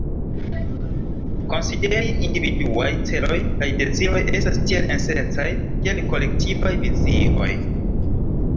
Konsideri individuaj celoj kaj deziroj estas tiel esencaj kiel kolektivaj vizioj.